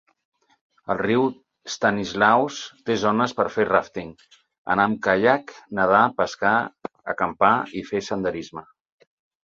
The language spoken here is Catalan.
El riu Stanislaus té zones per fer ràfting, anar amb caiac, nedar, pescar, acampar i fer senderisme.